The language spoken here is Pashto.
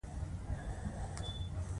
دا مـعـلومـه خـبـره ده.